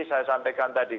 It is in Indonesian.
saya sampaikan tadi